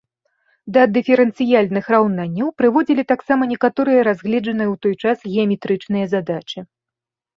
Да дыферэнцыяльных раўнанняў прыводзілі таксама некаторыя разгледжаныя ў той час геаметрычныя задачы.